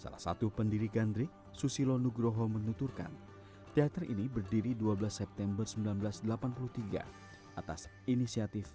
salah satu pendiri gandrik susilo nugroho menuturkan teater ini berdiri dua belas september seribu sembilan ratus delapan puluh tiga atas inisiatif